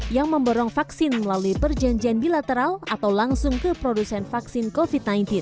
yang memborong vaksin melalui perjanjian bilateral atau langsung ke produsen vaksin covid sembilan belas